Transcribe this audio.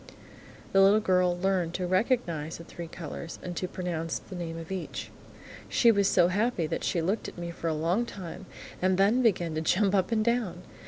The little girl learned to recognise the three colours and to pronounce the name of each. She was so happy that she looked at me for a long time, and then began to jump up and down.